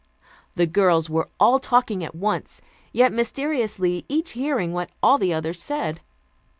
The girls were all talking at once, yet, mysteriously, each hearing what all the others said.